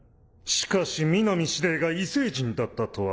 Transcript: しかし南司令が異星人だったとは。